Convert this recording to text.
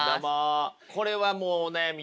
これはもうお悩み